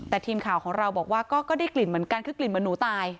แต่ทีมข่าวของเราบอกว่าก็ได้กลิ่นเหมือนกันคือกลิ่นเหมือนหนูตาย